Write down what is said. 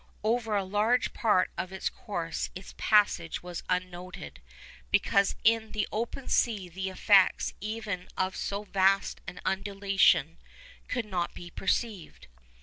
Over a large part of its course its passage was unnoted, because in the open sea the effects even of so vast an undulation could not be perceived.